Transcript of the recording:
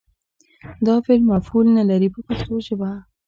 دا فعل مفعول نه لري په پښتو ژبه.